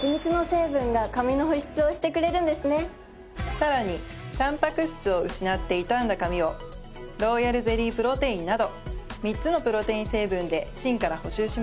さらにたんぱく質を失って傷んだ髪をローヤルゼリープロテインなど３つのプロテイン成分で芯から補修します。